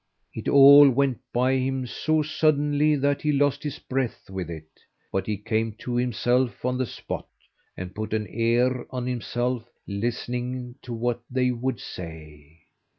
It all went by him so suddenly that he lost his breath with it, but he came to himself on the spot, and put an ear on himself, listening to what they would say.